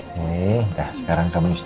dia tidak akan ditunggu